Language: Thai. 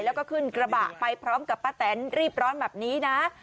แล้วก็ขึ้นกระบะไปพร้อมกับป้าแตนรีบร้อนแบบนี้นะ